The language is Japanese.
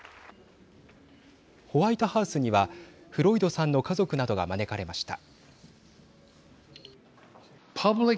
ホワイトハウスにはフロイドさんの家族などが招かれました。